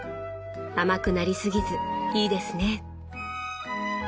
甘くなりすぎずいいですね。